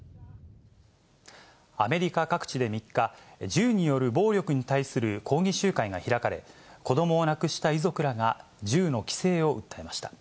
アメリカ各地で３日、銃による暴力に対する抗議集会が開かれ、子どもを亡くした遺族ら